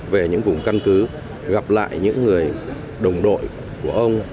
về những vùng căn cứ gặp lại những người đồng đội của ông